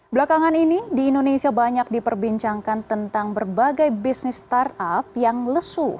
belakangan ini di indonesia banyak diperbincangkan tentang berbagai bisnis startup yang lesu